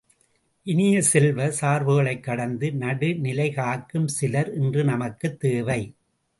இனிய செல்வ சார்புகளைக் கடந்த நடுநிலை காக்கும் சிலர் இன்று நமக்குத் தேவை.